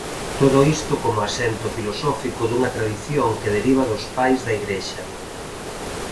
Todo isto como asento filosófico dunha tradición que deriva dos Pais da Igrexa.